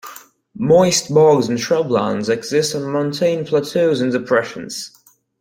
Moist bogs and shrublands exist on montane plateaus and depressions.